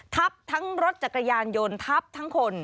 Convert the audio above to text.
ทับทั้งรถจักรยานยนต์ทับทั้งคน